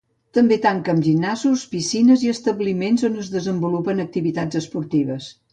També tanquen els gimnasos, piscines i establiments on es desenvolupen activitats esportives.